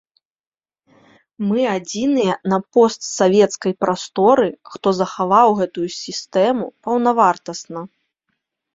Мы адзіныя на постсавецкай прасторы, хто захаваў гэтую сістэму паўнавартасна.